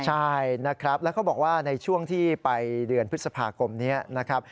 ใช่นะครับแล้วเขาบอกว่าในช่วงที่ไปเดือนพฤษภาคมนี้นะครับ